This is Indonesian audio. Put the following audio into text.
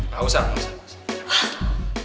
gak usah gak usah